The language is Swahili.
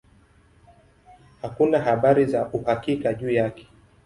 Hakuna habari za uhakika juu yake.